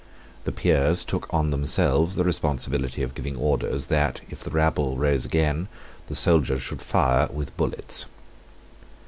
The Peers took on themselves the responsibility of giving orders that, if the rabble rose again, the soldiers should fire with bullets.